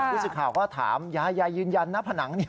รู้สึกข่าวว่าถามยายยืนยันนะผนังนี้